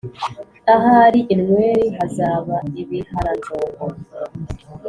ahari inweri hazaba ibiharanjongo,